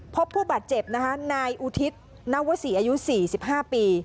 พบผู้บาดเจ็บนะคะนายอุทิศนวศรีอายุ๔๕ปี